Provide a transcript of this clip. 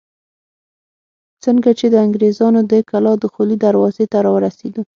څنګه چې د انګرېزانو د کلا دخولي دروازې ته راورسېدو.